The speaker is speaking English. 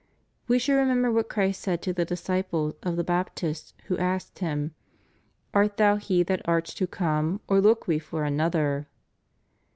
We should remember what Christ said to the disciples of the Baptist who asked him: "Art Thou He that art to come or look v/e for another?"